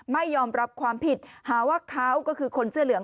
ไม่ยอมรับความผิดหาว่าเขาก็คือคนเสื้อเหลือง